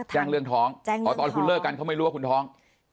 แจ้งเรื่องท้องตอนคุณเลิกกันเขาไม่รู้ว่าคุณท้อง